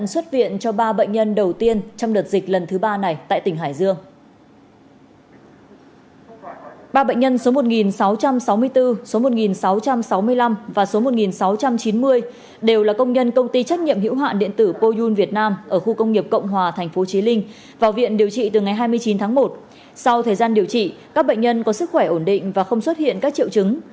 sau thời gian điều trị các bệnh nhân có sức khỏe ổn định và không xuất hiện các triệu chứng